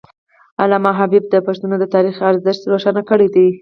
علامه حبيبي د پښتنو د تاریخ ارزښت روښانه کړی دی.